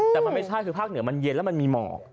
แต่มันไม่ใช่คือภาคเหนือมันเย็นแล้วมันมีหมอก